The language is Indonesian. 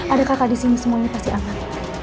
ada kakak disini semua ini pasti angkat